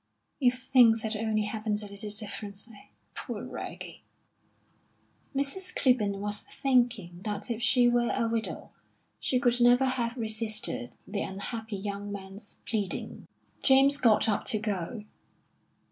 "If things had only happened a little differently. Poor Reggie!" Mrs. Clibborn was thinking that if she were a widow, she could never have resisted the unhappy young man's pleading. James got up to go.